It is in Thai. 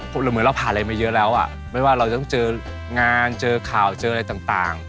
หรือเหมือนเราผ่านอะไรมาเยอะแล้วอ่ะไม่ว่าเราต้องเจองานเจอข่าวเจออะไรต่าง